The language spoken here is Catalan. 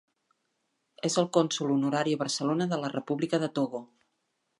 És el cònsol honorari a Barcelona de la República de Togo.